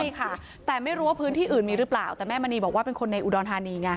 ใช่ค่ะแต่ไม่รู้ว่าพื้นที่อื่นมีหรือเปล่าแต่แม่มณีบอกว่าเป็นคนในอุดรธานีไง